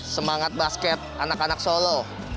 semangat basket anak anak solo